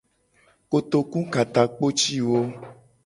Kotoku ka takpo ci wo.